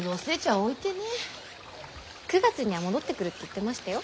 ９月には戻ってくるって言ってましたよ。